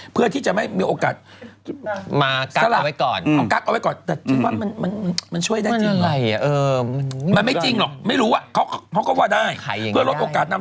เพื่อที่จะไม่มีโอกาสมาสลากไว้ก่อน